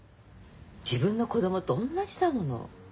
自分の子供と同じだもの。